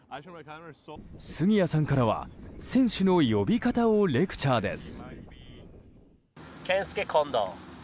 杉谷さんからは選手の呼び方をレクチャーです。